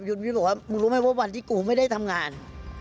พี่บอกว่ามึงรู้ไหมว่าวันที่กูไม่ได้ทำงาน